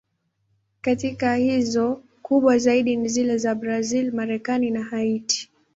Katika hizo, kubwa zaidi ni zile za Brazil, Marekani na Haiti.